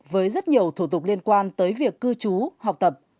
với rất nhiều thủ tục liên quan tới việc cư trú học tập